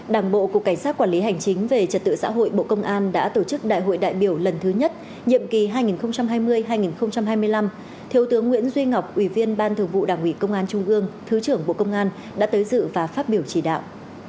đảng bộ cục cảnh sát quản lý hành chính về trật tự xã hội bộ công an đã tổ chức đại hội đại biểu lần thứ nhất nhiệm kỳ hai nghìn hai mươi hai nghìn hai mươi năm thiếu tướng nguyễn duy ngọc ủy viên ban thường vụ đảng ủy công an trung ương thứ trưởng bộ công an đã tới dự và phát biểu chỉ đạo